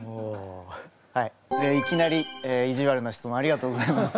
はいいきなり意地悪な質問ありがとうございます。